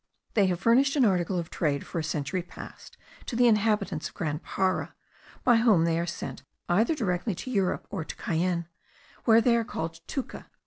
They have furnished an article of trade for a century past to the inhabitants of Grand Para, by whom they are sent either directly to Europe, or to Cayenne, where they are called touka.